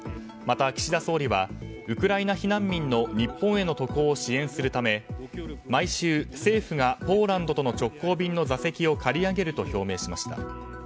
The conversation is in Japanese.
また、岸田総理はウクライナ避難民の日本への渡航を支援するため毎週、政府がポーランドとの直行便の座席を借り上げると表明しました。